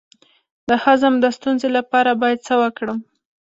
د هضم د ستونزې لپاره باید څه وکړم؟